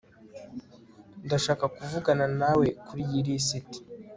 ndashaka kuvugana nawe kuriyi lisiti